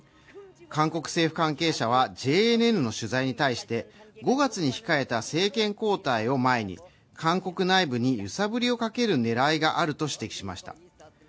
韓国政府関係者はＪＮＮの取材に対して５月に控えた政権交代を前に韓国内部に揺さぶりをかける狙いがあると指摘しました。